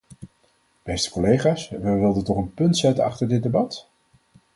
Beste collega's, wij wilden toch een punt zetten achter dit debat?!